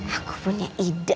aku punya ide